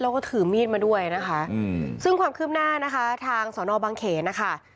แล้วก็ถือมีดมาด้วยนะคะซึ่งความคืบหน้านะคะทางสอนอบางเขนนะคะ